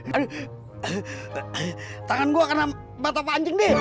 aduh tangan gua kena batap pancing deh